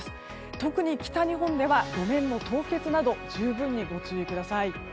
特に北日本では路面の凍結など十分にご注意ください。